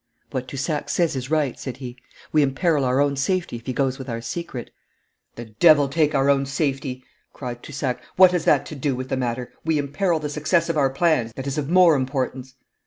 'What Toussac says is right,' said he. 'We imperil our own safety if he goes with our secret.' 'The devil take our own safety!' cried Toussac. 'What has that to do with the matter? We imperil the success of our plans that is of more importance.'